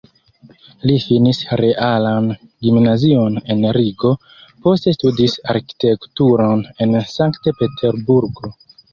Li finis realan gimnazion en Rigo, poste studis arkitekturon en Sankt-Peterburgo.